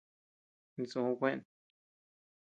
Insú kúën.